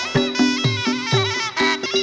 โชว์ที่สุดท้าย